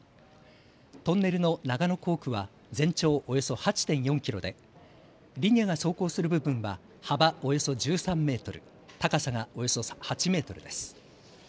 トンネルの長野工区は全長およそ８．４キロでリニアが走行する部分は幅およそ１３メートル、高さがおよそ８メートルです。